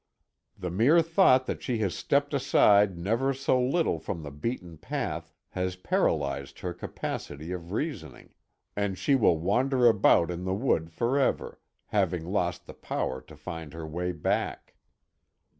The mere thought that she has stepped aside never so little from the beaten path has paralyzed her capacity of reasoning, and she will wander about in the wood forever, having lost the power to find her way back.